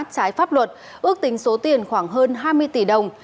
trái pháp luật ước tính số tiền khoảng hơn hai mươi tỷ đồng